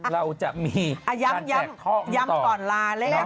เราจะมีการแจกข้อมูลต่อย้ำก่อนลาเลยนะครับ